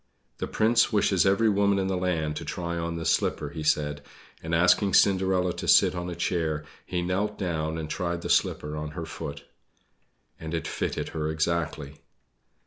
"The Prince wishes every woman in the land to try on this slipper," he said; and asking Cinderella to sit on a chair, he knelt down and tried the slipper on her foot. And it fitted her exactly!